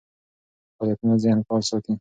فعالیتونه ذهن فعال ساتي.